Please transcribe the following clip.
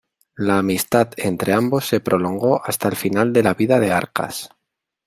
La amistad entre ambos se prolongó hasta el final de la vida de Arcas.